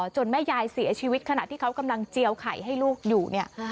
แม่ยายเสียชีวิตขณะที่เขากำลังเจียวไข่ให้ลูกอยู่เนี่ย